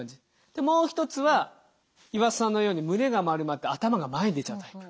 でもう１つは岩田さんのように胸が丸まって頭が前に出ちゃうタイプ。